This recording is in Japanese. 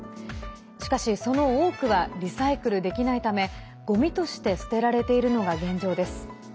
しかし、その多くはリサイクルできないためごみとして捨てられているのが現状です。